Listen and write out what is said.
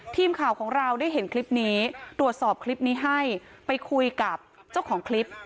ทีมข่าวของเราได้เห็นคลิปนี้ตรวจสอบคลิปนี้ให้ไปคุยกับเจ้าของคลิป